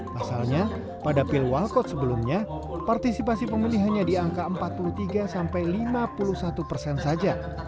pasalnya pada pilwalkot sebelumnya partisipasi pemilih hanya di angka empat puluh tiga sampai lima puluh satu persen saja